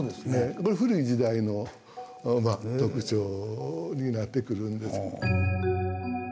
これ古い時代の特徴になってくるんですけど。